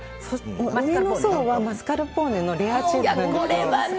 上の層はマスカルポーネのレアチーズです。